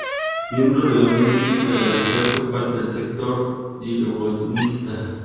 Miembro de la Unión Cívica Radical, fue parte del sector yrigoyenista.